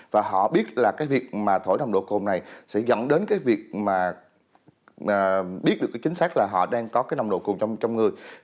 và họ biết là cái việc mà thổi nồng độ cồn này sẽ dẫn đến cái việc mà biết được cái chính xác là họ đang có cái nồng độ cồn trong người